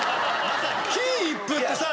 金一封ってさ